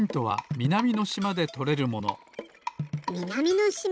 みなみのしま？